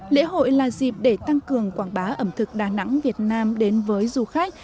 lễ hội là dịp để tăng cường quảng bá ẩm thực đà nẵng việt nam đến với du khách